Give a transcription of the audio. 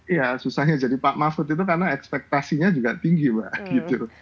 iya susahnya jadi pak mahfud itu karena ekspektasinya juga tinggi mbak gitu